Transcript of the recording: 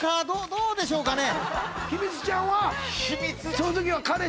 どうでしょうかね？